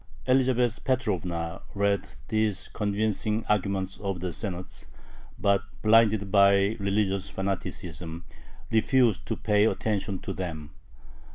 Elizabeth Petrovna read these convincing arguments of the Senate, but, blinded by religious fanaticism, refused to pay attention to them.